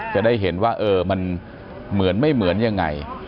จะได้เห็นว่ามันเหมือนไม่เหมือนยังไง